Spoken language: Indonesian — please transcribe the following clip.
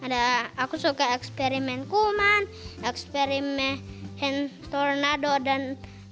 ada aku suka eksperimen kuman eksperimen tornado dan